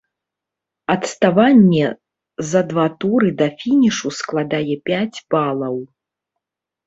Адставанне за два туры да фінішу складае пяць балаў.